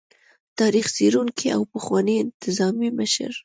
تاريخ څيړونکي او پخواني انتظامي مشر